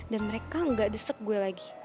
dan mereka gak desek gue lagi